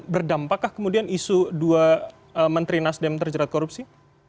berdampakkah kemudian isu dua menteri nasdem terjerat korupsi